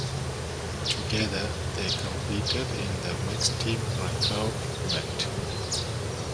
Together they competed in the mixed team recurve event.